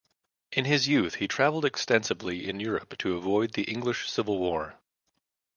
In his youth he travelled extensively in Europe to avoid the English Civil war.